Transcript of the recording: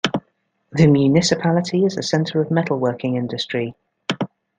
The municipality is a center of metalworking industry.